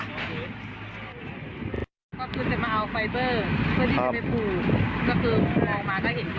พอคุณจะมาเอาไฟเบอร์เพื่อที่จะไปผูก